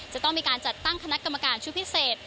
จะต้องมีการจัดตั้งคณะกรรมการชุดพิเศษ